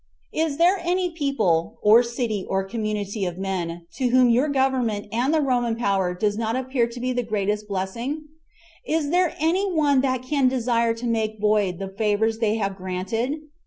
Is there any people, or city, or community of men, to whom your government and the Roman power does not appear to be the greatest blessing? Is there any one that can desire to make void the favors they have granted?